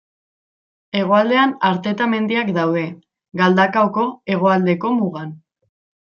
Hegoaldean Arteta mendiak daude, Galdakaoko hegoaldeko mugan.